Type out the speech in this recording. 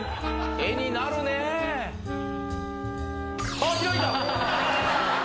あっ開いた！